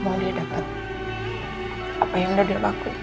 apa yang udah dia lakuin